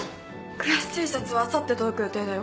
クラスＴシャツは明後日届く予定だよ。